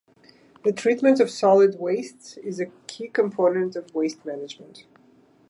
The treatment of solid wastes is a key component of waste management.